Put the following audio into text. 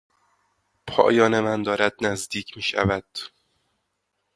پایان من دارد نزدیک میشود.